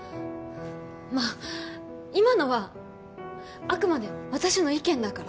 まあ今のはあくまで私の意見だから。